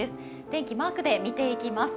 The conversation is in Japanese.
天気、マークで見ていきます。